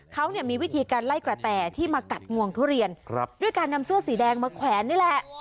เขาเนี่ยมีวิธีการไล่กระแต่ที่มากัดงวงทุเรียนด้วยการนำเสื้อสีแดงมาแขวนนี่แหละ